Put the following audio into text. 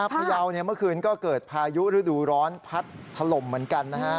พยาวเมื่อคืนก็เกิดพายุฤดูร้อนพัดถล่มเหมือนกันนะฮะ